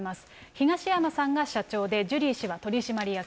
東山さんが社長で、ジュリー氏は取締役。